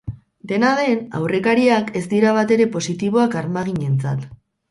Dena den, aurrekariak ez dira batere positiboak armaginentzat.